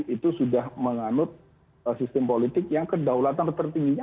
itu sudah menganut sistem politik yang kedaulatan tertingginya